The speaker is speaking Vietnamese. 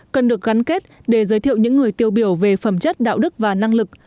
cần được gắn kết để giới thiệu những người tiêu biểu về phẩm chất đạo đức và năng lực